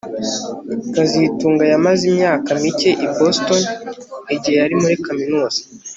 kazitunga yamaze imyaka mike i Boston igihe yari muri kaminuza